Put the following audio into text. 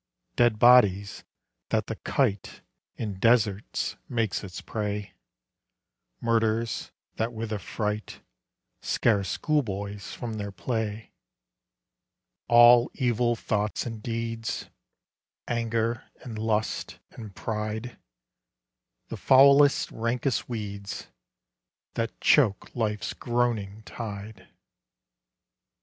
Dead bodies, that the kite In deserts makes its prey; Murders, that with affright Scare schoolboys from their play! All evil thoughts and deeds; Anger, and lust, and pride; The foulest, rankest weeds, That choke Life's groaning tide!